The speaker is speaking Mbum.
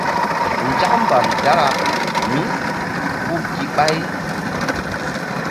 Nzak mbam dara míku gíɓay.